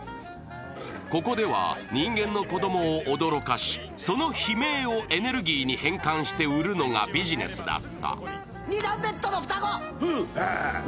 ここでは人間の子供を驚かし、その悲鳴をエネルギーに変換して売るのがビジネスだった。